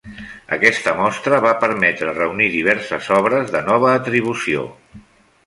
Aquesta mostra va permetre reunir diverses obres de nova atribució.